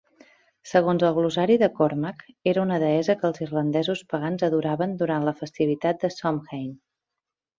Segons el Glossari de Cormac, era una deessa que els irlandesos pagans adoraven durant la festivitat de Samhain.